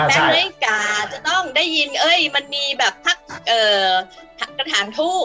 แปลงไว้ก่าจะต้องได้ยินมันมีแบบพักกระถานทูบ